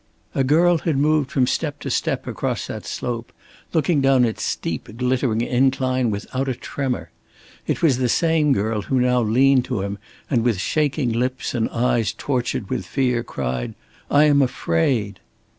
A girl had moved from step to step, across that slope, looking down its steep glittering incline without a tremor. It was the same girl who now leaned to him and with shaking lips and eyes tortured with fear cried, "I am afraid."